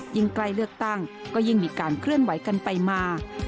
ใกล้เลือกตั้งก็ยิ่งมีการเคลื่อนไหวกันไปมา